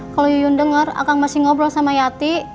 kalau yuyun denger akang masih ngobrol sama yati